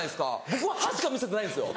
僕は歯しか見せてないんですよ